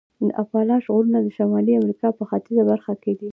د اپالاش غرونه د شمالي امریکا په ختیځه برخه کې دي.